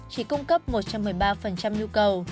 chỉ cung cấp một trăm một mươi ba nhu cầu